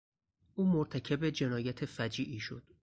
او مرتکب جنایت فجیعی شد.